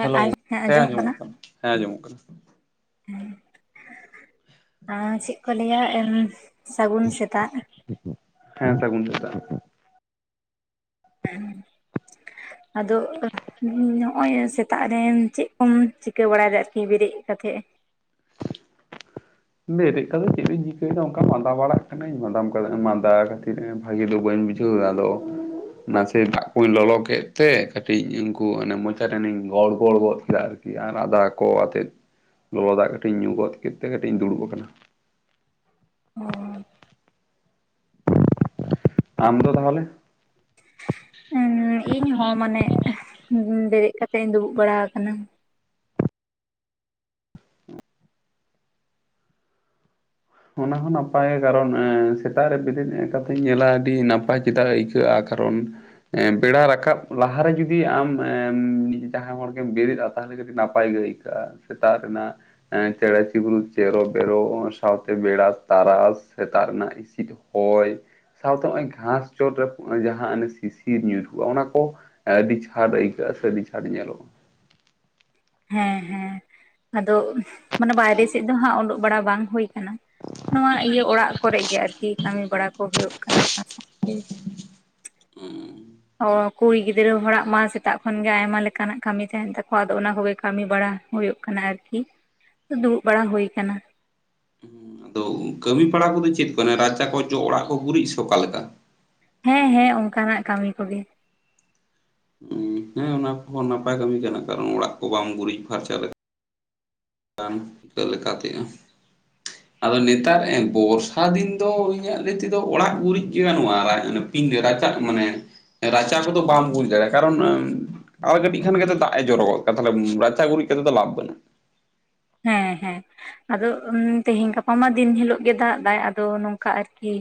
Hello ᱦᱮᱸ ᱟᱸᱡᱚᱢᱚᱜ ᱠᱟᱱᱟ ᱦᱮᱸ ᱟᱸᱡᱚᱢᱚᱜ ᱠᱟᱱᱟ᱾ ᱟᱸ ᱪᱮᱫ ᱠᱚ ᱞᱟᱹᱭᱟ ᱮᱸ ᱥᱟᱹᱜᱩᱱ ᱥᱮᱛᱟᱜ᱾ ᱦᱮᱸ ᱥᱟᱹᱜᱩᱱ ᱥᱮᱛᱟᱜ᱾ ᱦᱮᱸ ᱟᱫᱚ ᱦᱩᱸᱜ ᱱᱚᱜᱼᱚᱭ ᱥᱮᱛᱟᱜ ᱨᱮ ᱪᱮᱫ ᱠᱚᱢ ᱪᱤᱠᱟᱹ ᱵᱟᱲᱟᱭᱮᱫᱟ ᱟᱨᱠᱤ ᱵᱮᱨᱮᱫ ᱠᱟᱛᱮᱜ? ᱵᱮᱨᱮᱫ ᱠᱟᱛᱮᱫ ᱪᱮᱫ ᱤᱧ ᱪᱤᱠᱟᱹᱭᱮᱫᱟ ᱚᱱᱠᱟ ᱢᱟᱸᱫᱟ ᱵᱟᱲᱟᱜ ᱠᱟᱹᱱᱟᱹᱧ ᱢᱟᱫᱟᱢ ᱚᱱᱠᱟ ᱢᱟᱸᱫᱟ ᱠᱷᱟᱹᱛᱤᱨ ᱮᱸ ᱵᱷᱟᱜᱮ ᱫᱚ ᱵᱟᱹᱧ ᱵᱩᱡᱷᱟᱹᱣ ᱫᱟ ᱟᱫᱚ ᱱᱟᱥᱮ ᱫᱟᱜ ᱠᱩᱧ ᱞᱚᱞᱚ ᱠᱮᱫ ᱛᱮ ᱠᱟᱹᱴᱤᱡ ᱩᱱᱠᱩ ᱚᱱᱮ ᱢᱚᱪᱟᱨᱮᱱᱤᱧ ᱜᱚᱲᱜᱚᱲ ᱜᱚᱫ ᱠᱮᱫᱟ ᱟᱨᱠᱤ᱾ ᱠᱤ ᱟᱨ ᱟᱫᱟ ᱠᱚ ᱟᱛᱮᱫ ᱞᱚᱞᱚ ᱫᱟᱜ ᱠᱟᱹᱴᱤᱡ ᱤᱧ ᱧᱩ ᱜᱚᱫ ᱠᱮᱫ ᱛᱮ ᱠᱟᱹ ᱤᱡ ᱤᱧ ᱫᱩᱲᱩᱵ ᱟᱠᱟᱱᱟ᱾ ᱚᱻ ᱟᱢ ᱫᱚ ᱛᱟᱦᱚᱞᱮ? ᱩᱸ ᱤᱧ ᱦᱚᱸ ᱢᱟᱱᱮ ᱵᱮᱨᱮᱫ ᱠᱟᱛᱮ ᱤᱧ ᱫᱩᱲᱩᱵ ᱵᱟᱲᱟ ᱟᱠᱟᱱᱟ᱾ ᱚᱱᱟ ᱦᱚᱸ ᱱᱟᱯᱟᱭᱟ ᱠᱟᱨᱚᱱ ᱮᱸ ᱥᱮᱛᱟᱜ ᱨᱮ ᱵᱮᱨᱮᱫ ᱠᱟᱛᱤᱧ ᱧᱮᱞᱟ ᱟᱹᱰᱤ ᱱᱟᱯᱟᱭ ᱪᱮᱫᱟᱜ ᱟᱹᱭᱠᱟᱹᱜᱼᱟ ᱠᱟᱨᱚᱱ᱾ ᱮᱸ ᱵᱮᱲᱟ ᱨᱟᱠᱟᱵ ᱞᱟᱦᱟᱨᱮ ᱡᱩᱫᱤ ᱟᱢ-ᱮᱢ ᱡᱟᱦᱟᱸᱭ ᱦᱚᱲ ᱜᱮᱢ ᱵᱮᱨᱮᱫᱼᱟ ᱛᱟᱦᱚᱞᱮ ᱠᱟᱹᱴᱤᱡ ᱱᱟᱯᱟᱭ ᱜᱮ ᱟᱹᱭᱠᱟᱹᱜᱼᱟ᱾ [unintelligible] ᱥᱮᱛᱟᱜ ᱨᱮᱱᱟᱜ ᱮᱸ ᱪᱮᱸᱬᱮᱸ ᱪᱤᱯᱩᱨᱩᱫ ᱪᱮᱨᱚ ᱵᱮᱨᱚ᱾ ᱥᱟᱶᱛᱮ ᱵᱮᱲᱟ ᱛᱟᱨᱟᱥ ᱥᱮᱛᱟᱜ ᱨᱮᱱᱟᱜ ᱤᱥᱤᱫ ᱦᱚᱭ᱾ ᱥᱟᱶᱛᱮ ᱦᱚᱜᱼᱚᱭ ᱜᱷᱟᱸᱥ ᱪᱚᱴ ᱨᱮ ᱦᱚᱜᱼᱚᱭ ᱡᱟᱦᱟᱸ ᱚᱱᱮ ᱥᱤᱥᱤᱨ ᱧᱩᱨᱦᱩᱜᱼᱟ ᱚᱱᱟ ᱠᱚ᱾ ᱟᱹᱰᱤ ᱪᱷᱟᱴ ᱟᱹᱭᱠᱟᱹᱜᱼᱟ ᱥᱮ ᱟᱹᱰᱤ ᱪᱷᱟᱴ ᱧᱮᱞᱚᱜ ᱦᱮᱸ ᱦᱮᱸ ᱟᱫᱚ ᱢᱟᱱᱮ ᱵᱟᱭᱨᱮ ᱥᱮᱫ ᱫᱚ ᱦᱟᱸᱜ ᱳᱰᱳᱜ ᱵᱟᱲᱟ ᱵᱟᱝ ᱦᱩᱭ ᱠᱟᱱᱟ ᱱᱚᱣᱟ ᱤᱭᱟᱹ ᱚᱲᱟᱜ ᱠᱚᱨᱮᱜ ᱜᱮ ᱟᱨᱠᱤ᱾ ᱠᱟᱹᱢᱤ ᱵᱟᱲᱟ ᱠᱚ ᱦᱩᱭᱩᱜ ᱚᱱ [unintelligible] ᱛᱤᱨ ᱩᱸ ᱚ ᱠᱩᱲᱤ ᱜᱤᱫᱽᱨᱟᱹ ᱦᱚᱲᱟᱜ ᱢᱟ ᱥᱮᱛᱟᱜ ᱠᱷᱚᱱ ᱜᱮ ᱟᱭᱢᱟ ᱞᱮᱠᱟᱱᱟᱜ ᱠᱟᱹᱢᱤ ᱛᱟᱦᱮᱱ ᱛᱟᱠᱚᱣᱟ ᱟᱫᱚ ᱚᱱᱟ ᱠᱚᱜᱮ᱾ ᱠᱟᱹᱢᱤ ᱵᱟᱲᱟ ᱦᱳᱭᱳᱜ ᱠᱟᱱᱟ ᱟᱨᱠᱤ ᱫᱩᱲᱩᱵ ᱵᱟᱲᱟ ᱦᱩᱭ ᱟᱠᱟᱱᱟ᱾ ᱟᱫᱚ ᱠᱟᱹᱢᱤ ᱵᱟᱲᱟ ᱠᱚᱫᱚ ᱪᱮᱫ ᱠᱟᱱᱟ ᱨᱟᱪᱟ ᱠᱚ ᱡᱚᱜ ᱚᱲᱟᱜ ᱠᱚ ᱜᱩᱨᱤᱡ ᱥᱮ ᱚᱠᱟᱞᱮᱠᱟ? ᱦᱮᱸ ᱦᱮᱸ ᱚᱱᱠᱟᱱᱟᱜ ᱠᱟᱹᱢᱤ ᱠᱚᱜᱮ᱾ ᱦᱚᱸ ᱦᱮᱸ ᱚᱱᱟ ᱠᱚᱦᱚᱸ ᱱᱟᱯᱟᱭ ᱠᱟᱹᱢᱤ ᱠᱟᱱᱟ ᱠᱟᱨᱚᱱ ᱚᱲᱟᱜ ᱠᱚ ᱵᱟᱢ ᱜᱩᱨᱤᱡᱽ ᱯᱷᱟᱨᱪᱟ ᱞᱮᱱᱠᱷᱟᱱ ᱵᱟᱝ ᱦᱤᱛᱚᱜ ᱞᱮᱠᱟᱛᱮ [inaudible] ᱟᱫᱚ ᱱᱮᱛᱟᱨ ᱵᱚᱨᱥᱟ ᱫᱤᱱ ᱫᱚ ᱤᱧᱟᱹᱜ ᱞᱟᱹᱭ ᱛᱮᱫᱚ ᱚᱲᱟᱜ ᱜᱩᱨᱤᱡ ᱜᱮ ᱜᱟᱱᱚᱜᱼᱟ ᱤᱧ ᱨᱟᱪᱟ ᱢᱟᱱᱮ ᱨᱟᱪᱟ ᱠᱚᱫᱚ ᱵᱟᱢ ᱵᱩᱡᱽ ᱫᱟᱲᱮᱭᱟᱜᱼᱟ ᱠᱟᱨᱚᱱ ᱟᱨ ᱠᱟᱹᱴᱤᱡ ᱠᱷᱟᱱ ᱜᱮ ᱛᱚ ᱫᱟᱜ ᱮ ᱡᱚᱨᱚᱜ ᱜᱚᱫ ᱠᱚ ᱛᱟᱦᱮ ᱨᱟᱪᱟ ᱜᱩᱨᱤᱡ ᱠᱟᱛᱮᱫ ᱫᱚ ᱞᱟᱵᱷ ᱵᱟᱹᱱᱩᱜ-ᱟ᱾ ᱦᱮᱸ ᱦᱮᱸ ᱟᱫᱚ ᱛᱮᱦᱮᱧ ᱜᱟᱯ ᱟᱭᱢᱟ ᱫᱤᱱ ᱦᱤᱞᱟᱜ ᱜᱮ ᱫᱟᱜ ᱫᱟᱭ ᱟᱫᱚ ᱱᱚᱝᱠᱟ ᱟᱨᱠᱤ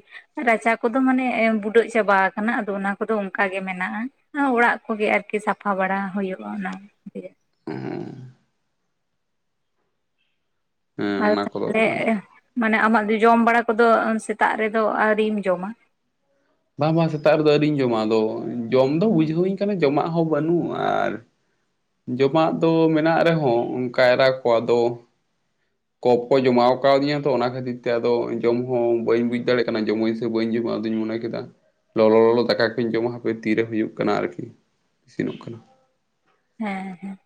ᱨᱟᱪᱟ ᱠᱚᱫᱚ ᱢᱟᱱᱮ ᱵᱩᱰᱟᱹᱜ ᱪᱟᱵᱟ ᱟᱠᱟᱱᱟ ᱟᱫᱚ ᱚᱱᱟ ᱠᱚᱫᱚ ᱚᱱᱠᱟᱜᱮ ᱢᱮᱱᱟᱜᱼᱟ᱾ ᱚᱱᱟ ᱚᱲᱟᱜ ᱠᱚᱜᱮ ᱟᱨᱠᱤ ᱥᱟᱯᱷᱟ ᱵᱟᱲᱟ ᱦᱩᱭᱩᱜᱼᱟ ᱚᱱᱟ ᱛᱮᱜᱮ [inaudible] ᱦᱮᱸ ᱟᱨ ᱚᱱᱟ ᱠᱚᱫᱚ ᱛᱟᱦᱚᱞᱮ ᱜᱟᱱᱚᱜᱼᱟ ᱢᱟᱱᱮ ᱟᱢᱟᱜ ᱡᱚᱢ ᱵᱟᱲᱟ ᱠᱚᱫᱚ ᱥᱮᱛᱟᱜ ᱨᱮᱫᱚ ᱟᱣᱨᱤᱢ ᱡᱚᱢᱟ? ᱵᱟᱝ ᱵᱟᱝ ᱥᱮᱛᱟᱜ ᱨᱮᱫᱚ ᱟᱹᱣᱨᱤᱧ ᱡᱚᱢᱟ. ᱟᱫᱚ ᱡᱚᱢ ᱫᱚ ᱵᱩᱡᱷᱟᱹᱣᱟᱹᱧ ᱠᱟᱱᱟ ᱡᱚᱢᱟᱜ ᱦᱚᱸ ᱵᱟᱹᱱᱩᱜ ᱟᱨ ᱡᱚᱢᱟᱜ ᱫᱚ ᱢᱮᱱᱟᱜ ᱨᱮᱦᱚᱸ ᱚᱱᱠᱟ ᱠᱟᱭᱨᱟ ᱠᱚ ᱟᱫᱚ [inaudible] ᱠᱚᱯ ᱠᱚ ᱡᱚᱢᱟᱣ ᱠᱟᱣ ᱫᱤᱧᱟ ᱛᱚ ᱚᱱᱟ ᱠᱷᱟᱹᱛᱤᱨ ᱛᱮ ᱟᱫᱚ ᱡᱚᱢ ᱦᱚᱸ ᱵᱟᱹᱧ ᱵᱩᱡᱽ ᱫᱟᱲᱮᱭᱟᱜ ᱠᱟᱱᱟ ᱡᱚᱢᱟᱹᱧ ᱥᱮ ᱵᱟᱹᱧ ᱡᱚᱢᱟ ᱟᱫᱚᱧ ᱢᱚᱱᱮ ᱠᱮᱫᱟ ᱞᱚᱞᱚ ᱞᱚᱞᱚ ᱫᱟᱠᱟ ᱠᱚᱧ ᱡᱚᱢᱟ ᱦᱟᱯᱤ ᱛᱤᱨᱮ ᱦᱩᱭᱩᱜ ᱠᱟᱱᱟ ᱟᱨᱠᱤ ᱤᱥᱤᱱᱚᱜ ᱠᱟᱱᱟ ᱦᱮᱸ ᱦᱮᱸ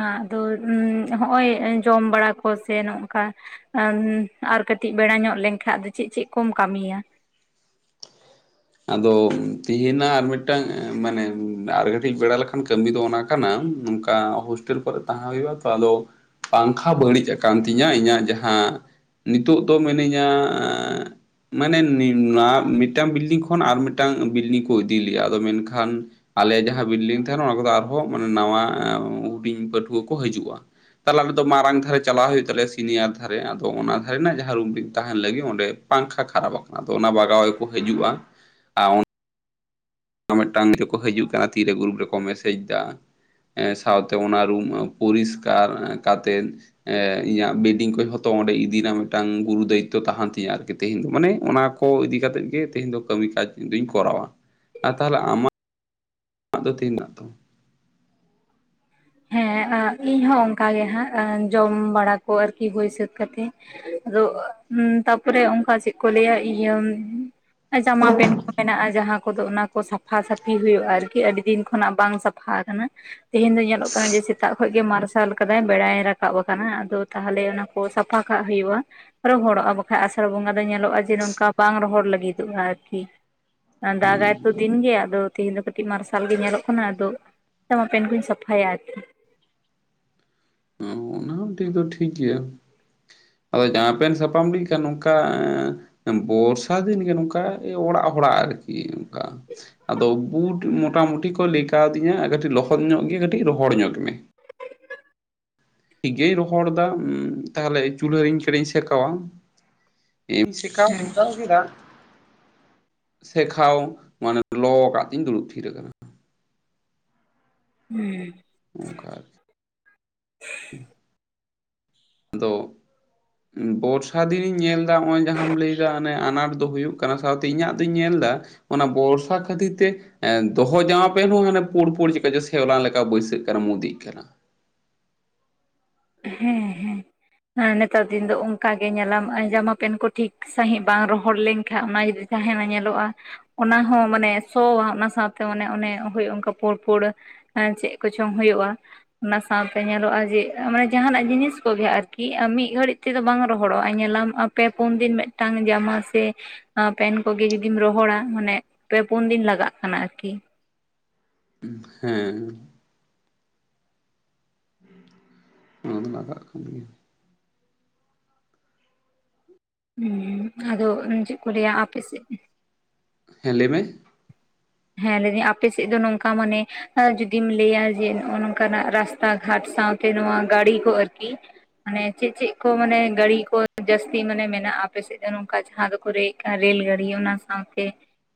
ᱟ ᱟᱫᱚ ᱦᱚᱸᱜᱼᱚᱭ ᱡᱚᱢ ᱵᱟᱲᱟ ᱠᱚ ᱥᱮ ᱱᱚᱜᱚᱠᱟ ᱟ ᱟᱨ ᱠᱟᱹᱴᱤᱡ ᱵᱮᱲᱟ ᱧᱚᱜ ᱞᱮᱱᱠᱷᱟᱱ ᱫᱚ ᱪᱮᱫ ᱪᱮᱫ ᱠᱚᱢ ᱠᱟᱹᱢᱤᱭᱟ? ᱟᱫᱚ ᱛᱮᱦᱮᱧᱟᱜ ᱟᱨ ᱢᱤᱫᱴᱟᱝ ᱢᱟᱱᱮ ᱟᱨ ᱠᱟᱴᱤᱡ ᱵᱮᱲᱟ ᱞᱮᱠᱷᱟᱱ ᱠᱟᱹᱢᱤ ᱫᱚ ᱚᱱᱟ ᱠᱟᱱᱟ ᱱᱚᱝᱠᱟ ᱦᱳᱥᱴᱮᱞ ᱠᱚᱨᱮ ᱛᱟᱦᱮᱸ ᱦᱩᱭᱩᱜᱼᱟ ᱛᱚ ᱟᱫᱚ ᱯᱟᱝᱠᱷᱟ ᱵᱟᱹᱲᱤᱡ ᱟᱠᱟᱱ ᱛᱤᱧᱟᱹ ᱤᱧᱟᱹᱜ ᱡᱟᱦᱟᱸ ᱱᱤᱛᱚᱜ ᱫᱚ ᱢᱤᱱᱟᱹᱧᱟ ᱢᱟᱱᱮ ᱱᱚᱣᱟ ᱢᱤᱫ ᱴᱟᱝ ᱵᱤᱞᱰᱤᱝ ᱠᱷᱚᱱ ᱠᱷᱚᱱ ᱟᱨ ᱢᱤᱫᱴᱟᱝ ᱵᱤᱞᱰᱤᱝ ᱠᱚ ᱤᱫᱤ ᱞᱮᱭᱟ ᱟᱫᱚ ᱢᱮᱱᱠᱷᱟᱱ ᱟᱞᱮ ᱡᱟᱦᱟᱸ ᱵᱤᱞᱰᱤᱝ ᱛᱟᱦᱮᱱᱟ ᱚᱱᱟ ᱠᱚᱫᱚ ᱟᱨᱦᱚᱸ ᱢᱟᱱᱮ ᱱᱟᱣᱟ ᱦᱩᱰᱤᱧ ᱯᱟᱹᱴᱷᱩᱣᱟᱹ ᱠᱚ ᱦᱤᱡᱩᱜᱼᱟ ᱛᱟᱦᱚᱞᱮ ᱟᱞᱮ ᱫᱚ ᱢᱟᱨᱟᱝ ᱫᱷᱟᱨᱮ ᱪᱟᱞᱟᱜ ᱦᱩᱭᱩᱜ ᱛᱟᱞᱮᱭᱟ ᱥᱤᱱᱤᱭᱟᱨ ᱫᱷᱟᱨᱮ ᱟᱫᱚ ᱚᱱᱟ ᱫᱷᱟᱨᱮᱱᱟᱜ ᱡᱟᱦᱟᱸ ᱨᱩᱢ ᱛᱟᱦᱮᱱ ᱞᱟᱹᱜᱤᱫ ᱚᱸᱰᱮ ᱯᱟᱝᱠᱷᱟ ᱠᱷᱟᱨᱟᱯ ᱟᱠᱟᱱᱟ ᱫᱚ ᱚᱱᱟ ᱵᱟᱜᱟᱣ ᱜᱮᱠᱩ ᱦᱟᱹᱡᱩᱜᱼᱟ [unintelligible] ᱟᱨ ᱢᱤᱫ ᱴᱟᱝ ᱠᱚ ᱦᱤᱡᱩᱜ ᱠᱟᱱᱟ ᱛᱤᱨᱮ ᱜᱨᱩᱯ ᱨᱮᱠᱚ ᱢᱮᱥᱮᱡᱽ ᱫᱟ ᱦᱮᱸ ᱥᱟᱶᱛᱮ ᱚᱱᱟ ᱨᱩᱢ ᱯᱚᱨᱤᱥᱠᱟᱨ ᱠᱟᱛᱮᱫ ᱮ ᱤᱧᱟᱹᱜ ᱵᱮᱰᱤᱝ ᱠᱚ ᱡᱷᱚᱛᱚ ᱚᱸᱰᱮ ᱤᱫᱤ ᱨᱮᱱᱟᱜ ᱢᱤᱫᱴᱟᱝ ᱜᱩᱨᱩ ᱫᱟᱭᱤᱛᱚ ᱛᱟᱦᱮᱱ ᱛᱤᱧᱟ ᱟᱨᱠᱤ ᱛᱮᱦᱤᱧ ᱫᱚ ᱢᱟᱱᱮ ᱚᱱᱟ ᱠᱚ ᱤᱫᱤ ᱠᱟᱛᱮᱫ ᱜᱮ ᱛᱮᱦᱮᱧ ᱫᱚ ᱠᱟᱹᱢᱤ ᱠᱟᱡᱽ ᱤᱧ ᱫᱚᱧ ᱠᱚᱨᱟᱣᱟ ᱟ ᱛᱟᱦᱚᱞᱮ ᱟᱢᱟᱜ ᱫᱚ ᱛᱮᱱ ᱨᱮᱱᱟᱜ ᱛᱚ ᱦᱮᱸ ᱤᱧ ᱦᱚᱸ ᱚᱱᱠᱟᱜ ᱜᱮ ᱦᱟᱸᱜ ᱡᱚᱢ ᱵᱟᱲᱟ ᱠᱚ ᱟᱨᱠᱤ ᱦᱩᱭ ᱥᱟᱹᱛ ᱠᱟᱛᱮᱜ ᱨᱚᱜ ᱛᱟᱯᱚᱨᱮ ᱚᱱᱠᱟ ᱪᱮᱫ ᱠᱚ ᱞᱟᱹᱭᱟ ᱤᱭᱟᱹ ᱡᱟᱢᱟ ᱯᱮᱱᱴ ᱠᱚ ᱢᱮᱱᱟᱜᱼᱟ ᱡᱟᱦᱟᱸ ᱠᱚᱫᱚ ᱚᱱᱟ ᱠᱚᱫᱚ ᱥᱟᱯ ᱥᱟᱯᱷᱟ ᱥᱟᱹᱯᱷᱤ ᱦᱩᱭᱩᱜᱼᱟ ᱟᱨᱠᱤ ᱟᱹᱰᱤ ᱫᱤᱱ ᱠᱷᱚᱱᱟᱜ ᱵᱟᱝ ᱥᱟᱯᱷᱟ ᱟᱠᱟᱱᱟ ᱛᱮᱦᱮᱧ ᱫᱚ ᱥᱮᱛᱟᱜ ᱠᱷᱚᱡ ᱜᱮ ᱢᱟᱨᱥᱟᱞ ᱟᱠᱟᱫᱟᱭ ᱵᱮᱲᱟᱭ ᱨᱟᱠᱟᱵ ᱟᱠᱟᱱᱟ ᱟᱫᱚ ᱛᱟᱦᱚᱞᱮ ᱚᱱᱟ ᱠᱚ ᱥᱟᱯᱷᱟ ᱠᱟᱜ ᱦᱩᱭᱩᱜᱼᱟ᱾ ᱨᱚᱦᱚᱲᱚᱜᱼᱟ ᱵᱟᱠᱷᱟᱡ ᱟᱥᱟᱲ ᱵᱚᱸᱜᱟ ᱫᱚ ᱧᱮᱞᱚᱜᱼᱟ ᱡᱮ ᱱᱚᱝᱠᱟ ᱵᱟᱝ ᱨᱚᱦᱚᱲ ᱞᱟᱹᱜᱤᱫᱚᱜᱼᱟ ᱟᱨᱠᱤ ᱫᱟᱜᱟᱭ ᱦᱮᱸ ᱛᱚ ᱫᱤᱱ ᱜᱮ ᱟᱫᱚ ᱛᱮᱦᱤᱧ ᱫᱚ ᱠᱟᱹᱴᱤᱡ ᱢᱟᱨᱥᱟᱞ ᱜᱮ ᱧᱮᱞᱚᱜ ᱠᱟᱱᱟ ᱟᱫᱚ ᱡᱟᱢᱟ ᱯᱮᱱᱴ ᱠᱩᱧ ᱥᱟᱯᱷᱟ ᱯᱷᱟᱭᱟ ᱚᱱᱟ ᱦᱚᱸ ᱴᱷᱤᱠ ᱫᱚ ᱴᱷᱤᱠ ᱜᱮᱭᱟ᱾ ᱟᱫᱚ ᱡᱟᱦᱟᱸ ᱯᱮᱱᱴ ᱥᱟᱯᱷᱟᱢ ᱞᱟᱭ ᱠᱷᱟᱱ ᱱᱚᱝᱠᱟ ᱵᱚᱨᱥᱟ ᱫᱤᱱ ᱜᱮ ᱱᱚᱝᱠᱟ ᱚᱲᱟᱜ ᱦᱚᱲᱟᱜ ᱟᱨᱠᱤ ᱚᱝᱠᱟ ᱟᱫᱚ ᱵᱩᱴ ᱢᱚᱴᱟ ᱢᱩᱴᱤ ᱠᱚ ᱞᱮ ᱠᱟᱣᱫᱤᱧᱟ ᱠᱟᱹᱴᱤᱡ ᱞᱚᱦᱚᱫ ᱧᱚᱜ ᱜᱮ ᱠᱟᱹᱴᱤᱡ ᱨᱚᱦᱚᱲ ᱧᱚᱜ ᱢᱮ᱾ ᱴᱷᱤᱠ ᱜᱮᱧ ᱨᱚᱦᱚᱲ ᱮᱫᱟ ᱛᱟᱦᱞᱮ ᱪᱩᱞᱦᱟᱹ ᱨᱤᱧ ᱠᱟᱹᱴᱤᱧ ᱥᱮᱠᱟᱣᱟ, [unintelligible] ᱥᱮᱠᱟᱣ ᱦᱮᱸ ᱮᱢ ᱥᱮᱠᱟᱣ ᱠᱮᱫᱟ᱾ ᱥᱮᱠᱷᱟᱣ ᱢᱟᱱᱮ ᱞᱚ ᱠᱟᱜᱛᱤᱧ ᱫᱩᱲᱩᱵ ᱛᱷᱤᱨ ᱠᱟᱱᱟ᱾ ᱦᱩᱸ᱾ ᱚᱝᱠᱟ ᱟᱨᱠᱤ᱾ [inaudible] ᱟᱫᱚ ᱵᱚᱨᱥᱟ ᱫᱤᱱᱤᱧ ᱧᱮᱞ ᱮᱫᱟ ᱱᱚᱜ-ᱚᱭ ᱡᱟᱦᱟᱢ ᱞᱟᱹᱭ ᱫᱟ ᱚᱱᱮ ᱟᱱᱟᱴ ᱫᱚ ᱦᱩᱭᱩᱜ ᱠᱟᱱᱟ ᱥᱟᱶᱛᱮ ᱤᱧᱟᱜ ᱫᱩᱧ ᱧᱮᱞᱫᱟ ᱚᱱᱟ ᱵᱚᱨᱥᱟ ᱠᱷᱟᱹᱛᱤᱨ ᱛᱮ ᱫᱚᱦᱚ ᱡᱟᱢᱟ ᱯᱮᱱ ᱦᱚᱸ ᱦᱟᱱᱮ ᱯᱩᱲᱯᱩᱲ ᱪᱤᱠᱟ ᱪᱚ ᱥᱮᱣᱞᱟ ᱞᱮᱠᱟ ᱵᱟᱹᱭᱥᱟᱹᱜ ᱠᱟᱱᱟ ᱢᱩᱫᱤᱜ ᱠᱟᱱᱟ᱾ ᱦᱮᱸ ᱦᱮᱸ᱾ ᱦᱮ ᱱᱮᱛᱟᱨ ᱫᱤᱱ ᱫᱚ ᱚᱝᱠᱟ ᱜᱮ ᱧᱮᱞᱟᱢ ᱡᱟᱢᱟ ᱯᱮᱱ ᱠᱚ ᱴᱷᱤᱠ ᱥᱟᱹᱦᱤᱡ ᱵᱟᱝ ᱨᱚᱦᱚᱲ ᱞᱮᱱᱠᱷᱟᱱᱡ ᱚᱱᱟ ᱡᱩᱫᱤ ᱛᱟᱦᱮᱱᱟ ᱧᱮᱞᱚᱜ-ᱟ᱾ ᱚᱱᱟ ᱦᱚᱸ ᱢᱟᱱᱮ ᱥᱚᱣᱟ ᱚᱱᱟ ᱥᱟᱶᱛᱮ ᱚᱱᱮ ᱚᱱᱮ ᱦᱩᱭ ᱚᱱᱠᱟ ᱯᱳᱲ ᱯᱳᱲ ᱟᱨ ᱪᱮᱫ ᱠᱚᱪᱚᱝ ᱦᱳᱭᱳᱜ-ᱟ, ᱚᱱᱟ ᱥᱟᱶᱛᱮ ᱧᱮᱞᱚᱜ-ᱟ ᱡᱮ ᱢᱟᱱᱮ ᱡᱟᱦᱟᱱᱟᱜ ᱡᱤᱱᱤᱥ ᱠᱚᱜᱮ ᱟᱨᱠᱤ ᱢᱤᱫ ᱜᱷᱟᱹᱲᱤᱡ ᱛᱮᱫᱚ ᱵᱟᱝ ᱨᱚᱦᱚᱲᱚᱜ-ᱟ, ᱧᱮᱞᱟᱢ ᱯᱮ ᱯᱩᱱ ᱫᱤᱱ ᱢᱮᱱ ᱴᱟᱝ ᱡᱟᱢᱟ ᱥᱮ ᱯᱮᱱ ᱠᱚᱜᱮ ᱡᱚᱫᱤᱢ ᱨᱚᱦᱚᱲᱟ ᱢᱟᱱᱮ ᱯᱮ ᱯᱩᱱᱫᱤᱱ ᱞᱟᱜᱟᱜ ᱠᱟᱱᱟ ᱟᱨᱠᱤ᱾ ᱦᱮᱸ᱾ ᱞᱟᱜᱟᱜ ᱠᱟᱱᱟᱱ ᱜᱮᱭᱟ᱾ ᱦᱩᱸ, ᱟᱫᱚ ᱪᱮᱜ ᱠᱚ ᱞᱟᱹᱭᱟ ᱟᱯᱮᱥᱮᱫ ᱦᱮᱸ ᱞᱮ ᱢᱮ᱾ ᱦᱮᱸ, ᱞᱟᱹᱭ ᱫᱟᱹᱧ ᱟᱯᱮ ᱥᱮᱫ ᱫᱚ ᱱᱚᱝᱠᱟ ᱢᱟᱱᱮ ᱡᱩᱫᱤᱢ ᱞᱟᱹᱭᱟ ᱡᱮ ᱱᱚᱜᱚ ᱱᱚᱝᱠᱟᱱᱟᱜ ᱨᱟᱥᱛᱟ ᱜᱷᱟᱴ ᱥᱟᱶᱛᱮ ᱱᱚᱣᱟ ᱜᱟᱹᱲᱤ ᱠᱚ ᱟᱹᱨᱠᱤ ᱢᱟᱱᱮ ᱪᱮᱫ ᱪᱮᱫ ᱠᱚ ᱢᱟᱱᱮ ᱜᱟᱲᱤ ᱠᱚ ᱡᱟᱹᱥᱛᱤ ᱢᱟᱱᱮ ᱢᱮᱱᱟᱜ-ᱟ ᱟᱯᱮᱥᱮᱫ ᱫᱚ ᱱᱚᱝᱠᱟ ᱡᱟᱦᱟᱸ ᱫᱚᱠᱚ ᱨᱮ ᱨᱮᱞ ᱜᱟᱲᱤ ᱚᱱᱟ ᱥᱟᱶᱛᱮ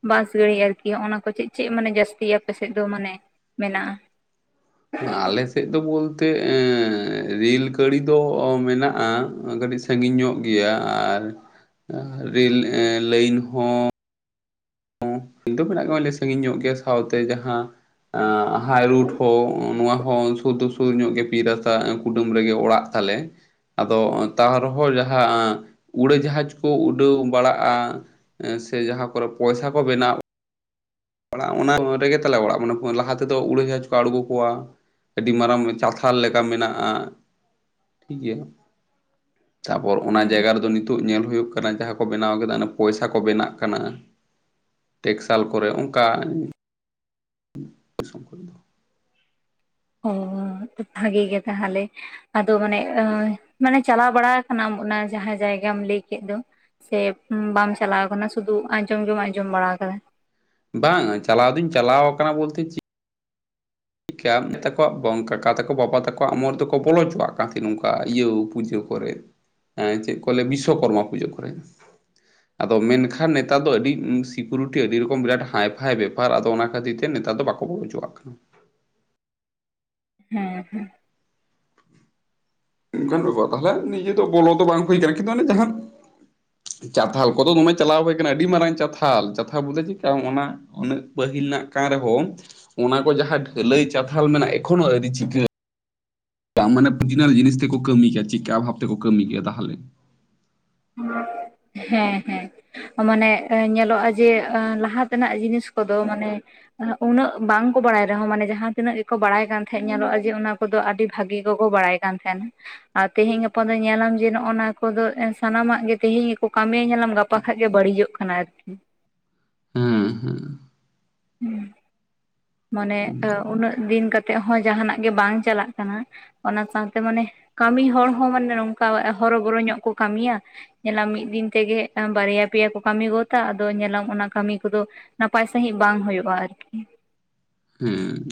ᱵᱟᱥ ᱜᱟᱲᱤ ᱟᱨᱠᱤ ᱦᱚᱜ-ᱚ ᱱᱟ ᱠᱚ ᱪᱮᱜ ᱪᱮᱜ ᱢᱟᱱᱮ ᱡᱟᱹᱥᱛᱤ ᱟᱯᱮ ᱥᱮᱫ ᱫᱚ ᱢᱟᱱᱮ ᱢᱮᱱᱟᱜ-ᱟ? ᱟᱞᱮ ᱥᱮᱫ ᱫᱚ ᱵᱚᱞᱛᱮ ᱨᱮᱹᱞ ᱜᱟᱹᱲᱤ ᱫᱚ ᱢᱮᱱᱟᱜ-ᱟ ᱠᱟᱹᱴᱤᱡ ᱥᱟᱺᱜᱤᱧ ᱧᱚᱜ ᱜᱮᱭᱟ ᱟᱨ ᱨᱮᱹᱞ ᱞᱟᱹᱭᱤᱱ ᱦᱚᱸ ᱫᱚ ᱢᱮᱱᱟᱜ ᱜᱮ ᱥᱟᱺᱜᱤᱧ ᱧᱚᱜ ᱜᱮᱭᱟ ᱥᱟᱶᱛᱮ ᱡᱟᱦᱟ ᱦᱟᱭᱨᱳᱰ ᱦᱚᱸ ᱱᱚᱣᱟ ᱦᱚᱸ ᱥᱩᱨ ᱫᱚ ᱥᱩᱨ ᱧᱚᱜ ᱜᱮ ᱯᱤᱪ ᱨᱟᱥᱛᱟ ᱠᱩᱰᱟᱹᱢ ᱨᱮᱜᱮ ᱚᱲᱟᱜ ᱛᱟᱞᱮ᱾ ᱟᱫᱚ ᱛᱟᱣ ᱨᱮᱦᱚᱸ ᱡᱟᱦᱟᱸ ᱩᱲᱟᱹ ᱡᱟᱦᱟᱡᱽ ᱠᱚ ᱩᱰᱟᱹᱣ ᱵᱟᱲᱟᱜ-ᱟ᱾ ᱮ ᱥᱮ ᱡᱟᱦᱟᱸ ᱠᱚᱨᱮ ᱯᱚᱭᱥᱟ ᱠᱚ ᱵᱮᱱᱟᱣ᱾ ᱚᱲᱟᱜ ᱚᱱᱟ ᱨᱮᱜᱮ ᱛᱟᱞᱮ ᱚᱲᱟᱜ ᱢᱟᱱᱮ ᱞᱟᱦᱟ ᱛᱮᱫᱚ ᱩᱲᱟᱹᱡᱟᱦᱟᱡᱽ ᱠᱚ ᱟᱲᱜᱩ ᱠᱚᱣᱟ᱾ ᱟᱹᱰᱤ ᱢᱟᱨᱟᱝ ᱪᱟᱛᱷᱟᱞ ᱞᱮᱠᱟ ᱢᱮᱱᱟᱜ-ᱟ ᱴᱷᱤᱠ ᱜᱮᱭᱟ᱾ ᱛᱟᱨ ᱯᱚᱨ ᱚᱱᱟ ᱡᱟᱭᱜᱟ ᱨᱮᱫᱚ ᱱᱤᱛᱚᱜ ᱧᱮᱞ ᱦᱩᱭᱩᱜ ᱠᱟᱱᱟ, ᱡᱟᱦᱟᱸ ᱠᱚ ᱵᱮᱱᱟᱣ ᱠᱮᱫᱟ ᱯᱚᱭᱥᱟ ᱠᱚ ᱵᱮᱱᱟᱜ ᱠᱟᱱᱟ᱾ ᱴᱮᱠᱥᱟᱞ ᱠᱚᱨᱮ ᱚᱝᱠᱟ᱾ ᱥᱚᱝᱠᱚ ᱫᱚ ᱾ ᱚ ᱟ ᱵᱷᱟᱹᱜᱮ ᱜᱮ ᱛᱟᱦᱟᱞᱮ᱾ ᱟᱫᱚ ᱢᱟᱱᱮ ᱢᱟᱱᱮ ᱪᱟᱞᱟᱣ ᱵᱟᱲᱟ ᱠᱟᱱᱟᱢ ᱚᱱᱟ ᱡᱟᱦᱟᱸ ᱡᱟᱭᱜᱟᱢ ᱞᱟᱹᱭ ᱠᱮᱫ ᱫᱚ? ᱥᱮ ᱵᱟᱢ ᱪᱟᱞᱟᱣ ᱟᱠᱟᱱᱟ ᱥᱩᱫᱩ ᱟᱸᱡᱚᱢ ᱜᱮᱢ ᱟᱸᱡᱚᱢ ᱵᱟᱲᱟ ᱠᱟᱫᱟ? ᱵᱟᱝ-ᱟ, ᱪᱟᱞᱟᱣ ᱫᱩᱧ ᱪᱟᱞᱟᱣ ᱠᱟᱱᱟ ᱵᱚᱞᱛᱮ ᱪᱤᱜ ᱠᱮᱭᱟ ᱢᱮᱛᱟᱠᱚᱣᱟ ᱵᱟᱝ ᱠᱟᱠᱟ ᱛᱟᱠᱚ, ᱵᱟᱵᱟ ᱛᱟᱠᱚᱣᱟᱜ ᱚᱢᱚᱨ ᱫᱚᱠᱚ ᱵᱚᱞᱚ ᱦᱚᱪᱚᱣᱟᱜ ᱠᱟᱱ ᱛᱟᱦᱮᱸᱫ ᱱᱚᱝᱠᱟ ᱤᱭᱟᱹ ᱯᱩᱡᱟᱹ ᱠᱚᱨᱮ᱾ ᱦᱮᱸ ᱪᱮᱫ ᱠᱚ ᱞᱟᱹᱭᱟ ᱵᱤᱥᱥᱠᱚᱨᱢᱟ ᱯᱩᱡᱟᱹ ᱠᱚᱨᱮ᱾ [inaudible] ᱟᱫᱚ ᱢᱮᱱᱠᱷᱟᱱ ᱱᱮᱛᱟᱨ ᱫᱚ ᱟᱹᱰᱤ ᱥᱤᱠᱩᱨᱤᱴᱤ ᱟᱹᱰᱤ ᱨᱚᱠᱚᱢ ᱵᱤᱨᱟᱴ ᱦᱟᱭᱯᱷᱟᱭ ᱵᱮᱯᱟᱨ ᱟᱫᱚ ᱚᱱᱟ ᱠᱷᱟᱹᱛᱤᱨ ᱛᱮ ᱱᱮᱛᱟᱨ ᱫᱚ ᱵᱟᱠᱚ ᱵᱚᱞᱚᱦᱚᱪᱚᱭᱟᱜ᱾ ᱪᱚ ᱟᱜ ᱠᱟᱱᱟ᱾ ᱦᱮᱸ ᱦᱩᱸ᱾ ᱚᱱᱠᱟᱱ ᱵᱮᱯᱟᱨ ᱛᱟᱦᱚᱞᱮ ᱱᱤᱡᱮ ᱫᱚ ᱵᱚᱞᱚ ᱫᱚ ᱵᱟᱝ ᱦᱩᱭ ᱠᱟᱱᱟ ᱠᱤᱱᱛᱩ ᱚᱱᱮ ᱡᱟᱦᱟᱱ ᱪᱟᱛᱷᱟᱞ ᱠᱚᱫᱚ ᱫᱚᱢᱮ ᱪᱟᱞᱟᱣ ᱦᱩᱭ ᱠᱟᱱᱟ, ᱟᱹᱰᱤ ᱢᱟᱨᱟᱝ ᱪᱟᱛᱷᱟᱞ, ᱪᱟᱛᱷᱟ ᱵᱚᱞᱮ ᱪᱮᱫᱠᱟ ᱦᱚᱸᱜ-ᱚᱱᱟ ᱩᱱᱟᱹᱜ ᱯᱟᱹᱦᱤᱞ ᱱᱟᱜ ᱠᱟᱱ ᱨᱮᱦᱚᱸ ᱚᱱᱟ ᱠᱚ ᱡᱟᱦᱟᱸ ᱰᱷᱟᱹᱞᱟᱹᱭ ᱪᱟᱛᱷᱟᱞ ᱢᱮᱱᱟᱜᱼᱟ ᱮᱠᱷᱚᱱ ᱦᱚᱸ ᱟᱹᱨᱤ ᱪᱤᱠᱟᱹ ᱢᱟᱱᱮ ᱯᱷᱤᱡᱤᱱᱟᱹᱞ ᱡᱤᱱᱤᱥ ᱛᱮᱠᱚ ᱠᱟᱹᱢᱤᱭ-ᱠᱟ ᱪᱤᱫᱠᱟ ᱵᱷᱟᱵ ᱛᱮᱠᱚ ᱠᱟᱹᱢᱤ ᱠᱮᱜ-ᱟ ᱛᱟᱦᱞᱮ᱾ ᱦᱮᱸ ᱦᱮᱸ᱾ ᱚ ᱢᱟᱱᱮ ᱮ ᱧᱮᱞᱚᱜ-ᱟ ᱡᱮ ᱞᱟᱦᱟ ᱛᱮᱱᱟᱜ ᱡᱤᱱᱤᱥ ᱠᱚᱫᱚ ᱢᱟᱱᱮ ᱮ ᱩᱱᱟᱹᱜ ᱵᱟᱝᱠᱚ ᱵᱟᱲᱟᱭ ᱨᱮᱦᱚᱸ ᱢᱟᱱᱮ ᱡᱟᱦᱟᱸᱛᱤᱱᱟᱹᱜ ᱜᱮᱠᱚ ᱵᱟᱲᱟᱭ ᱠᱟᱱ ᱛᱟᱦᱮᱸᱜ ᱧᱮᱞᱚᱜᱼᱟ ᱡᱮ ᱚᱱᱟ ᱠᱚᱫᱚ ᱟᱹᱰᱤ ᱵᱷᱟᱜᱤᱞᱨ ᱜᱮᱠᱚ ᱵᱟᱲᱟᱭ ᱠᱟᱱ ᱛᱟᱦᱮᱸᱱᱟ ᱟᱨ ᱛᱮᱦᱮᱸᱧ ᱜᱟᱯᱟ ᱫᱚ ᱧᱮᱞᱟᱢ ᱡᱮ ᱱᱚᱜ-ᱟᱱᱟ ᱠᱚᱫᱚ ᱮᱥ ᱥᱟᱱᱟᱢᱟᱜ ᱜᱮ ᱛᱮᱦᱮᱸᱧ ᱜᱮᱠᱚ ᱠᱟᱹᱢᱤᱭᱟ ᱧᱮᱞᱟᱢ ᱜᱟᱯᱟ ᱠᱷᱟᱡ ᱜᱮ ᱵᱟᱲᱤᱡᱟᱜ ᱠᱟᱱᱟ ᱟᱨᱠᱤ᱾ ᱦᱩᱸ ᱦᱩᱸ᱾ ᱦᱩᱸ ᱢᱟᱱᱮ ᱮ ᱩᱱᱟᱹᱜ ᱫᱤᱱ ᱠᱟᱛᱮᱜ ᱦᱚᱸ ᱡᱟᱦᱟᱸᱱᱟᱜ ᱜᱮ ᱵᱟᱝ ᱪᱟᱞᱟᱜ ᱠᱟᱱᱟ᱾ ᱚᱱᱟ ᱥᱟᱶᱛᱮ ᱢᱟᱱᱮ ᱠᱟᱹᱢᱤ ᱦᱚᱲ ᱦᱚᱸ ᱢᱟᱱᱮ ᱱᱚᱝᱠᱟ ᱦᱚᱨᱚᱵᱚᱨᱚ ᱧᱚᱜ ᱠᱚ ᱠᱟᱹᱢᱤᱭᱟ᱾ ᱧᱮᱞᱟᱢ ᱢᱤᱫ ᱫᱤᱱ ᱛᱮᱜᱮ ᱮᱸ ᱵᱟᱨᱭᱟ ᱯᱮᱭᱟ ᱠᱚ ᱠᱟᱹᱢᱤ ᱜᱚᱫᱟ ᱟᱫᱚ ᱧᱮᱞᱟᱢ ᱚᱱᱟ ᱠᱟᱹᱢᱤ ᱠᱚᱫᱚ ᱱᱟᱯᱟᱭ ᱥᱟᱹᱦᱤᱡ ᱵᱟᱝ ᱦᱩᱭᱩᱜᱼᱟ ᱟᱨᱠᱤ ᱦᱩᱸ᱾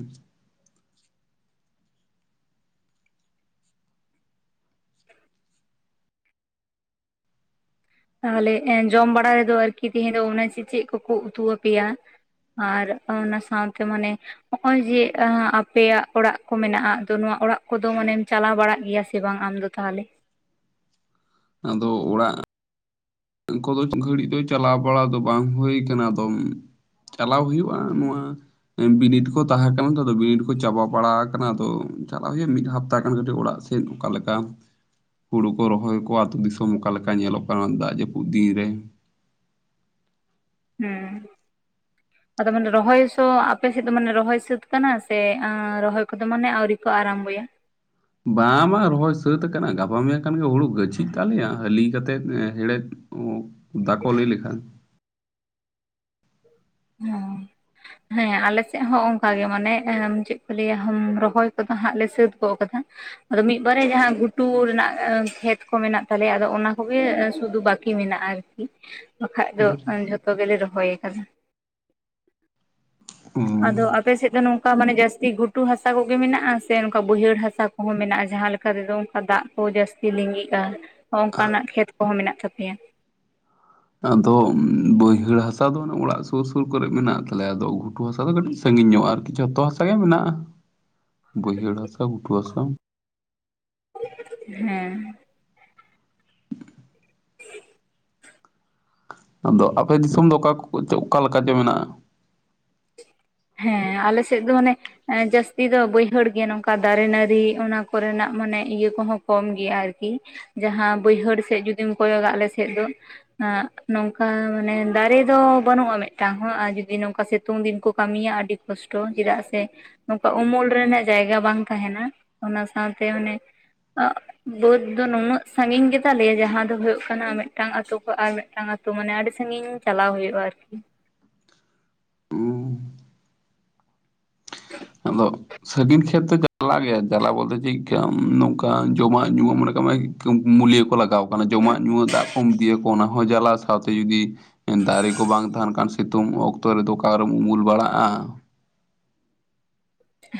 ᱛᱟᱦᱞᱮ ᱮᱸ ᱡᱚᱢ ᱵᱟᱲᱟ ᱨᱮᱫᱚ ᱟᱨᱠᱤ ᱛᱮᱦᱮᱸᱧ ᱫᱚ ᱚᱱᱟ ᱪᱮ-ᱪᱮᱫ ᱠᱚᱠᱚ ᱩᱛᱩ ᱟᱯᱮᱭᱟ? ᱟᱨ ᱚᱱᱟ ᱥᱟᱶᱛᱮ ᱢᱟᱱᱮ ᱚᱜ-ᱚᱭ ᱡᱮ ᱟᱸ ᱟᱯᱮᱭᱟᱜ ᱚᱲᱟᱜ ᱠᱚ ᱢᱮᱱᱟᱜ-ᱟ ᱟᱫᱚ ᱱᱚᱣᱟ ᱚᱲᱟᱜ ᱠᱚᱫᱚ ᱢᱟᱱᱮᱢ ᱪᱟᱞᱟᱣ ᱵᱟᱲᱟᱜ ᱜᱮᱭᱟ ᱥᱮ ᱥᱮ ᱵᱟᱝ ᱟᱢᱫᱚ ᱛᱟᱦᱞᱮ? ᱟᱫᱚ ᱚᱲᱟᱜ ᱠᱚᱫᱚ ᱜᱷᱟᱹᱲᱤᱡ ᱫᱚ ᱪᱟᱞᱟᱣ ᱵᱟᱲᱟ ᱫᱚ ᱵᱟᱝ ᱦᱩᱭ ᱠᱟᱱᱟ ᱟᱫᱚᱢ ᱪᱟᱞᱟᱣ ᱦᱩᱭᱩᱜ-ᱟ ᱱᱚᱣᱟ ᱮᱸ ᱵᱤᱱᱤᱰ ᱠᱚ ᱛᱟᱦᱮᱸ ᱠᱟᱱᱟ ᱛᱚ, ᱟᱫᱚ ᱵᱤᱱᱤᱰ ᱠᱚ ᱪᱟᱵᱟ ᱵᱟᱲᱟ ᱟᱠᱟᱱᱟ ᱟᱫᱚ ᱪᱟᱞᱟᱣ ᱦᱩᱭᱩᱜ-ᱟ ᱢᱤᱫ ᱦᱟᱯᱛᱟ ᱠᱟᱹᱴᱤᱡ ᱚᱲᱟᱜ ᱥᱮ᱾ ᱪᱮᱫ ᱚᱠᱟ ᱞᱮᱠᱟ ᱦᱩᱲᱩ ᱠᱚ ᱨᱚᱦᱚᱭ ᱠᱚ ᱟᱹᱛᱩ ᱫᱤᱥᱚᱢ ᱚᱠᱟ ᱞᱮᱠᱟ ᱧᱮᱞᱚᱜ ᱠᱟᱱᱟ ᱫᱟᱜᱽ ᱡᱟᱹᱯᱩᱫ ᱯᱩᱫ ᱫᱤᱱ ᱨᱮ᱾ ᱦᱩᱸ᱾ ᱟᱫᱚ ᱢᱟᱱᱮ ᱨᱚᱦᱚᱭ ᱥᱚ ᱟᱯᱮᱥᱮᱫ ᱫᱚ ᱢᱟᱱᱮ ᱨᱚᱦᱚᱭ ᱥᱟᱹᱛ ᱠᱟᱱᱟ ᱥᱮ ᱟᱸ ᱨᱚᱦᱚᱭ ᱠᱚᱫᱚ ᱢᱟᱱᱮ ᱟᱣᱨᱤ ᱠᱚ ᱟᱨᱟᱢᱵᱚᱭᱟ᱾ ᱵᱟᱝ ᱵᱟᱝ ᱨᱚᱦᱚᱭ ᱥᱟᱹᱛ ᱟᱠᱟᱱᱟ, ᱜᱟᱯᱟ ᱢᱮᱭᱟᱝ ᱠᱷᱟᱱ ᱜᱮ ᱦᱩᱲᱩ ᱜᱟᱹᱪᱷᱤᱜ ᱛᱟᱞᱮᱭᱟ, ᱦᱟᱹᱞᱤ ᱠᱟᱛᱮᱫ ᱦᱮᱲᱮᱫ ᱚᱸ ᱫᱟᱠᱚ ᱞᱟᱹᱭ ᱞᱮᱠᱷᱟᱱ᱾ ᱦᱚᱸ᱾ ᱦᱮᱸ ᱟᱞᱮ ᱥᱮᱜ ᱦᱚᱸ ᱚᱝᱠᱟ ᱜᱮ ᱢᱟᱱᱮ ᱮᱸ ᱪᱮᱫ ᱠᱚ ᱞᱟᱹᱭᱟ ᱦᱩᱸᱢ ᱨᱚᱦᱚᱭ ᱠᱚᱫᱚ ᱦᱟᱸᱜ ᱞᱮ ᱥᱟᱹᱛ ᱜᱚᱫ ᱟᱠᱟᱫᱟ᱾ ᱟᱫᱚ ᱢᱤᱫᱵᱟᱨᱮ ᱡᱟᱦᱟᱸ ᱜᱷᱩᱴᱩ ᱨᱮᱱᱟᱜ ᱟᱹ ᱠᱷᱮᱛ ᱠᱚ ᱢᱮᱱᱟᱜ ᱛᱟᱞᱮᱭᱟ ᱟᱫᱚ ᱚᱱᱟ ᱠᱚᱜᱮ ᱥᱩᱫᱩ ᱵᱟᱠᱤ ᱢᱮᱱᱟᱜᱼᱟ ᱟᱨ ᱠᱤ, ᱵᱟᱠᱷᱟᱡ ᱫᱚ ᱮᱸ ᱡᱷᱚᱛᱚ ᱜᱮᱞᱮ ᱨᱚᱦᱚᱭ ᱟᱠᱟᱫᱟ᱾ ᱟᱫᱚ ᱟᱯᱮ ᱥᱮᱫ ᱫᱚ ᱱᱚᱝ ᱠᱟ ᱢᱟᱱᱮ ᱡᱟᱹᱥᱛᱤ ᱜᱷᱩᱴᱩ ᱦᱟᱥᱟ ᱠᱚᱜᱮ ᱢᱮᱱᱟᱜ-ᱟ ᱥᱮ ᱱᱚᱠᱟ ᱵᱟᱹᱭᱦᱟᱹᱲ ᱦᱟᱥᱟ ᱠᱚᱦᱚᱸ ᱢᱮᱱᱟᱜ-ᱟ ᱡᱟᱦᱟᱸ ᱞᱮᱠᱟ ᱨᱮᱫᱚ ᱚᱱᱠᱟ ᱫᱟᱜᱽ ᱠᱚ ᱡᱟᱹᱥᱛᱤ ᱞᱤᱸᱜᱤᱜᱼᱟ, ᱟᱱᱠᱟᱱᱟᱜ ᱠᱷᱮᱛ ᱠᱚᱦᱚᱸ ᱢᱮᱱᱟᱜ ᱛᱟᱯᱮᱭᱟ? ᱟᱫᱚ ᱵᱟᱹᱭᱦᱟᱹᱲ ᱦᱟᱥᱟ ᱫᱚ ᱚᱱᱮ ᱚᱲᱟᱜ ᱥᱩᱨ ᱥᱩᱨ ᱠᱚᱨᱮᱜ ᱢᱮᱱᱟᱜ ᱛᱟᱞᱮᱭᱟ ᱟᱫᱚ ᱜᱷᱩᱴᱩ ᱦᱟᱥᱟ ᱫᱚ ᱠᱟᱹᱴᱤᱡ ᱥᱟᱺᱜᱤᱧ ᱧᱚᱜᱼᱟ ᱟᱨᱠᱤ᱾ ᱡᱷᱚᱛᱚ ᱦᱟᱥᱟ ᱜᱮ ᱢᱮᱱᱟᱜᱼᱟ, ᱵᱟᱹᱭᱦᱟᱹᱲ ᱦᱟᱥᱟ ᱜᱷᱩᱴᱩ ᱦᱟᱥᱟ᱾ ᱦᱮᱸ᱾ [inaudible] ᱟᱫᱚ ᱟᱯᱮ ᱫᱤᱥᱚᱢ ᱫᱚ ᱚᱠᱟ ᱚᱠᱟ ᱞᱮᱠᱟ ᱪᱚ ᱢᱮᱱᱟᱜᱼᱟ? ᱦᱮᱸ ᱟᱞᱮ ᱥᱮᱜ ᱫᱚ ᱚᱱᱮ ᱮᱸ ᱡᱟᱹᱥᱛᱤ ᱫᱚ ᱵᱟᱹᱭᱦᱟᱹᱲ ᱜᱮ ᱱᱚᱝᱠᱟ ᱫᱟᱨᱮ ᱱᱟᱹᱲᱤ ᱚᱱᱟ ᱠᱚᱨᱮᱱᱟᱜ ᱢᱟᱱᱮ ᱤᱭᱟᱹ ᱠᱚᱦᱚᱸ ᱠᱚᱢ ᱜᱮᱭᱟ ᱟᱨᱠᱤ ᱡᱟᱦᱟᱸ ᱵᱟᱹᱭᱦᱟᱹᱲ ᱥᱮᱜ ᱡᱩᱫᱤᱢ ᱠᱚᱭᱚᱜᱟ ᱟᱞᱮ ᱥᱮᱜ ᱫᱚ ᱟᱸ ᱱᱚᱝᱠᱟ ᱢᱟᱱᱮ ᱫᱟᱨᱮ ᱫᱚ ᱵᱟᱹᱱᱩᱜᱼᱟ ᱢᱤᱫᱴᱟᱝ ᱦᱚᱸ ᱟᱨ ᱡᱩᱫᱤ ᱥᱤᱛᱩᱝ ᱫᱤᱱ ᱠᱚ ᱠᱟᱢᱤᱭᱟ, ᱟᱰᱤ ᱠᱚᱥᱴᱚ ᱪᱮᱫᱟᱜ ᱥᱮ ᱱᱚᱝᱠᱟ ᱩᱢᱩᱞ ᱨᱮᱱᱟᱜ ᱡᱟᱭᱜᱟ ᱵᱟᱝ ᱛᱟᱦᱮᱸᱱᱟ, ᱚᱱᱟ ᱥᱟᱶᱛᱮ ᱚᱱᱮ ᱟᱸ ᱵᱟᱹᱫᱽ ᱫᱚ ᱱᱩᱱᱟᱹᱜ ᱥᱟᱺᱜᱤᱧ ᱜᱮᱛᱟᱞᱮᱭᱟ ᱡᱟᱦᱟᱸ ᱫᱚ ᱦᱳᱭᱳᱜ ᱠᱟᱱᱟ ᱢᱤᱫᱴᱟᱝ ᱟᱛᱳ ᱠᱷᱚᱱ ᱟᱨ ᱢᱤᱫᱴᱟᱝ ᱟᱛᱳ ᱛᱚ ᱢᱟᱱᱮ ᱟᱰᱤ ᱥᱟᱺᱜᱤᱧ ᱪᱟᱞᱟᱣ ᱦᱩᱭᱩᱜᱼᱟ ᱟᱨᱠᱤ ᱟᱫᱚ ᱥᱟᱺᱜᱤᱧ ᱠᱷᱮᱛ ᱫᱚ ᱡᱟᱞᱟ ᱜᱮᱭᱟ ᱡᱟᱞᱟ ᱵᱚᱞᱛᱮ ᱪᱮᱫᱠᱟ ᱱᱚᱝᱠᱟ ᱡᱚᱢᱟᱜ ᱧᱩᱣᱟᱜ ᱢᱚᱱᱮ ᱠᱟᱜ ᱢᱮ ᱢᱩᱞᱭᱟᱹ ᱠᱚ ᱞᱟᱜᱟᱣᱼᱼ ᱢᱟᱱᱮ ᱡᱚᱢᱟᱜ ᱧᱩᱣᱟᱜ ᱫᱟᱜ ᱠᱚᱢ ᱤᱫᱤᱭᱟᱠᱚᱣᱟ ᱚᱱᱟ ᱦᱚᱸ ᱡᱟᱞᱟ ᱥᱟᱶᱛᱮ ᱡᱩᱫᱤ ᱫᱟᱨᱮ ᱠᱚ ᱵᱟᱝ ᱛᱟᱦᱮᱱ ᱠᱷᱟᱱ ᱥᱤᱛᱩᱢ ᱚᱠᱛᱚ ᱨᱮ ᱫᱚ ᱚᱠᱟ ᱠᱚᱨᱮᱢ ᱩᱢᱩᱞ ᱵᱟᱲᱟᱜᱼᱟ᱾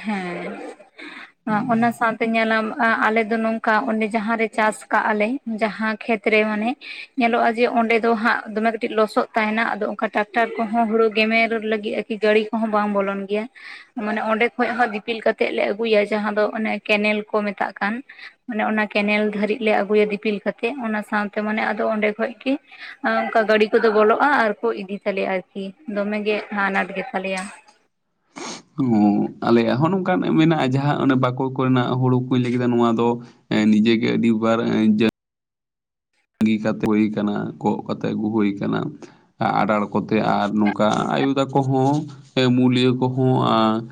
ᱦᱮᱸ ᱚᱱᱟ ᱥᱟᱶᱛᱮ ᱧᱮᱞᱟᱢ ᱟᱞᱮ ᱫᱚ ᱱᱚᱝᱠᱟ ᱚᱸᱰᱮ ᱡᱟᱦᱟᱸᱨᱮ ᱪᱟᱥ ᱠᱟᱜᱼᱟᱞᱮ ᱡᱟᱦᱟᱸ ᱠᱷᱮᱛ ᱨᱮ ᱢᱟᱱᱮ ᱧᱮᱞᱚᱜᱼᱟ ᱡᱮ ᱚᱸᱰᱮ ᱫᱚ ᱦᱟᱸᱜ ᱫᱚᱢᱮ ᱠᱟᱹᱴᱤᱡ ᱞᱚᱥᱚᱫ ᱛᱟᱦᱮᱱᱟ ᱟᱫᱚ ᱚᱱᱠᱟ ᱴᱟᱠᱴᱟᱨ ᱠᱚᱦᱚᱸ ᱦᱩᱲᱩ ᱜᱮᱢᱮᱨ ᱞᱟᱹᱜᱤᱫ ᱜᱟᱹᱲᱤ ᱠᱚᱦᱚᱸ ᱵᱟᱝ ᱵᱚᱞᱚᱱ ᱜᱮᱭᱟ ᱢᱟᱱᱮ ᱚᱸᱰᱮ ᱠᱷᱚᱡ ᱦᱚᱸ ᱫᱤᱯᱤᱞ ᱠᱟᱛᱮᱫ ᱞᱮ ᱟᱹᱜᱩᱭᱟ ᱡᱟᱦᱟᱸ ᱫᱚ ᱚᱱᱮ ᱠᱮᱱᱮᱞ ᱠᱚ ᱢᱮᱛᱟᱜ ᱠᱟᱱ ᱢᱟᱱᱮ ᱚᱱᱟ ᱠᱮᱱᱮᱞ ᱫᱷᱟᱹᱨᱤᱡ ᱞᱮ ᱟᱹᱜᱩᱭᱟ ᱫᱤᱯᱤᱞ ᱠᱟᱛᱮᱜ ᱚᱱᱟ ᱥᱟᱶᱛᱮ ᱢᱟᱱᱮ ᱟᱫᱚ ᱚᱸᱰᱮ ᱠᱷᱚᱡ ᱜᱮ ᱚᱱᱠᱟ ᱜᱟᱹᱰᱤ ᱠᱚᱫᱚ ᱵᱚᱞᱚᱜᱼᱟ ᱟᱨ ᱠᱚ ᱤᱫᱤ ᱛᱟᱞᱮᱭᱟ ᱟᱨᱠᱤ ᱫᱚᱢᱮ ᱜᱮ ᱟᱱᱟᱴ ᱜᱮᱛᱟᱞᱮᱭᱟ ᱦᱚᱸ ᱟᱞᱮᱭᱟᱜ ᱦᱚᱸ ᱱᱚᱝᱠᱟᱱ ᱢᱮᱱᱟᱜᱼᱟ ᱡᱟᱦᱟᱸ ᱚᱱᱮ ᱵᱟᱠᱩ ᱠᱚᱨᱮᱱᱟᱜ ᱦᱩᱲᱩ ᱠᱩᱧ ᱞᱟᱹᱭ ᱠᱮᱫᱟ ᱱᱚᱣᱟ ᱫᱚ ᱱᱤᱡᱮ ᱜᱮ ᱟᱹᱰᱤ ᱵᱟᱨ ᱛᱟᱹᱜᱤ ᱠᱟᱛᱮ ᱦᱩᱭ ᱠᱟᱱᱟ ᱠᱚᱜ ᱠᱟᱛᱮ ᱟᱹᱜᱩ ᱦᱩᱭ ᱟᱠᱟᱱᱟ ᱟᱸᱲᱟᱲᱼᱼ ᱠᱚᱛᱮ ᱟᱨ ᱱᱚᱝᱠᱟ ᱟᱭᱳ ᱛᱟᱠᱚ ᱦᱚᱸ ᱢᱩᱞᱤᱭᱟᱹ ᱠᱚᱦᱚᱸ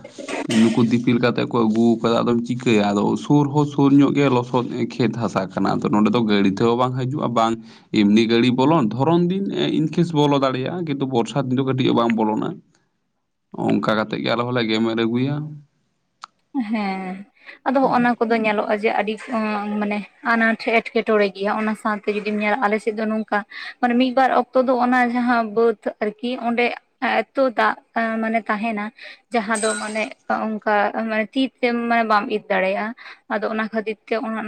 ᱱᱩᱠᱩ ᱫᱤᱯᱤᱞ ᱠᱟᱛᱮᱜ ᱠᱚ ᱟᱹᱜᱩᱣ ᱟᱠᱟᱫᱟ ᱟᱫᱚᱢ ᱪᱤᱠᱟᱹᱭᱟ ᱟᱫᱚ ᱥᱩᱨ ᱦᱚᱸ ᱥᱩᱨ ᱧᱚᱜ ᱜᱮ ᱞᱚᱥᱚᱫ ᱠᱷᱮᱛ ᱦᱟᱥᱟ ᱠᱟᱱᱟ ᱟᱫᱚ ᱱᱚᱸᱰᱮ ᱫᱚ ᱜᱟᱹᱲᱤ ᱛᱮᱦᱚᱸ ᱵᱟᱝ ᱦᱟᱹᱡᱩᱜᱼᱟ ᱵᱟᱝ ᱮᱢᱱᱤ ᱜᱟᱹᱲᱤ ᱵᱚᱞᱚᱱ ᱫᱷᱚᱨᱚᱱ ᱫᱤᱱ ᱤᱱᱠᱮᱥ ᱵᱚᱞᱚ ᱫᱟᱲᱮᱭᱟᱜᱼᱟ ᱠᱤᱱᱛᱩ ᱵᱚᱨᱥᱟ ᱫᱤᱱ ᱫᱚ ᱠᱟᱹᱴᱤᱡ ᱦᱚ ᱵᱟᱝ ᱵᱚᱞᱚᱱᱟ [inaudible] ᱚᱱᱠᱟ ᱠᱟᱛᱮᱫ ᱜᱮ ᱟᱞᱮ ᱦᱚᱸᱞᱮ ᱜᱮᱢᱮᱨ ᱟᱹᱜᱩᱭᱟ ᱦᱮᱸ ᱟᱫᱚ ᱦᱚᱸᱜ-ᱱᱟ ᱠᱚ ᱫᱚ ᱧᱮᱞᱚᱜᱼᱟ ᱡᱮ ᱟᱰᱤ ᱢᱟᱱᱮ ᱟᱱᱟᱴ ᱮᱴᱠᱮᱴᱚᱬᱮ ᱜᱮᱭᱟ ᱚᱱᱟ ᱥᱟᱶᱛᱮ ᱡᱩᱫᱤᱢ ᱧᱮᱞᱟ ᱟᱞᱮᱥᱮᱫ ᱫᱚ ᱱᱚᱝᱠᱟ ᱢᱟᱱᱮ ᱢᱤᱫᱵᱟᱨ ᱚᱠᱛᱚ ᱫᱚ ᱚᱱᱟ ᱡᱟᱦᱟᱸ ᱵᱟᱹᱫᱽ ᱟᱨᱠᱤ ᱚᱸᱰᱮ ᱮᱛᱚ ᱫᱟᱜ ᱢᱟᱱᱮ ᱛᱟᱦᱮᱱᱟ ᱡᱟᱦᱟᱸ ᱫᱚ ᱢᱟᱱᱮ ᱚᱱᱠᱟ ᱢᱟᱱᱮ ᱛᱤ ᱛᱮ ᱢᱟᱱᱮ ᱵᱟᱢ ᱤᱨ ᱫᱟᱲᱮᱭᱟᱜᱼᱟ ᱟᱫᱚ ᱚᱱᱟ ᱠᱷᱟᱹᱛᱤᱨ ᱛᱮ [unintelligible]